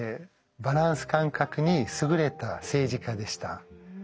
バランス感覚に優れた政治家でした。